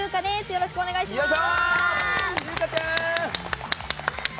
よろしくお願いします。